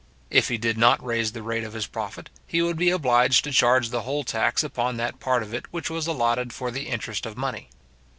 If he did not raise the rate of his profit, he would be obliged to charge the whole tax upon that part of it which was allotted for the interest of money.